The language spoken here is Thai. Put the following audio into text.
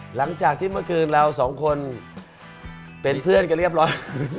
หลังจากที่เมื่อคืนเราสองคนเป็นเพื่อนกันเรียบร้อย